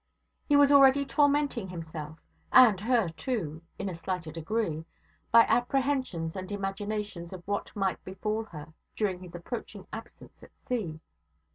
He was already tormenting himself, and her too in a slighter degree, by apprehensions and imaginations of what might befall her during his approaching absence at sea.